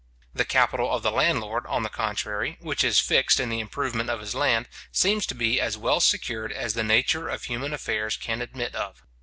The capital of the landlord, on the contrary, which is fixed in the improvement of his land, seems to be as well secured as the nature of human affairs can admit of.